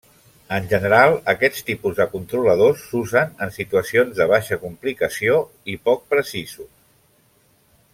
En general, aquest tipus de controladors s'usen en situacions de baixa complicació i poc precisos.